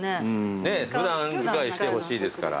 普段使いしてほしいですから。